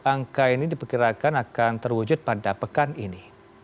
angka ini diperkirakan akan terwujud pada pekan ini